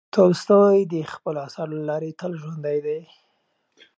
تولستوی د خپلو اثارو له لارې تل ژوندی دی.